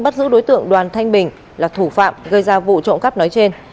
bắt giữ đối tượng đoàn thanh bình là thủ phạm gây ra vụ trộm cắp nói trên